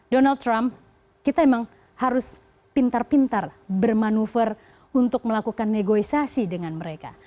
donald trump kita memang pinter pinter bermanuver untuk melakukan negosiasi dengan mereka